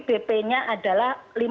bp nya adalah lima juta